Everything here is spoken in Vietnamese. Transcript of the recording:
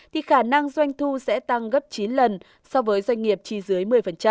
thì khả năng doanh thu sẽ tăng gấp chín lần so với doanh nghiệp chỉ dưới một mươi